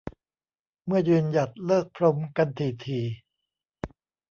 เมื่อยืนหยัดเลิกพรมกันถี่ถี่